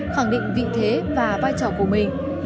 khẳng định vị thế và vai trò của mình